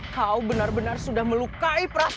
kau benar benar sudah melukai prak